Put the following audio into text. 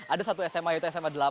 ada satu sma yaitu sma delapan